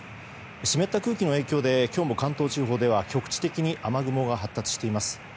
湿った空気の影響で今日も関東地方では局地的に雨雲が発達しています。